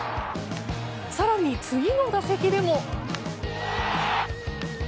更に次の打席でも。